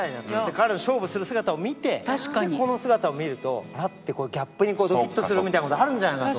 彼の勝負する姿を見てでこの姿を見ると「あら！」ってギャップにドキッとするみたいな事あるんじゃないかと。